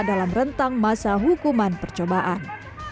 dalam rentang masa hukuman percobaan